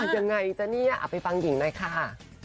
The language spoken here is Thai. ยังไงจ้ะเนี่ยไปฟังหญิงได้ค่ะ